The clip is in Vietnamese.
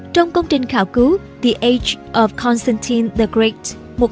trong công trình khảo cứu the age of constantine the great